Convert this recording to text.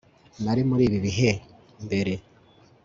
nari muri ibi bihe mbere